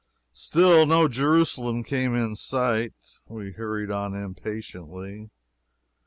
Still no Jerusalem came in sight. We hurried on impatiently.